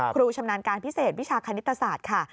ชำนาญการพิเศษวิชาคณิตศาสตร์ค่ะ